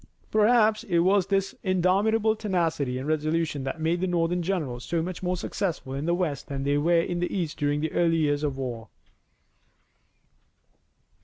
Perhaps it was this indomitable tenacity and resolution that made the Northern generals so much more successful in the west than they were in the east during the early years of the war.